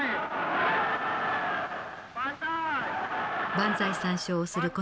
万歳三唱をするこの人物